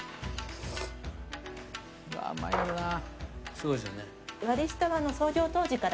すごいですよね？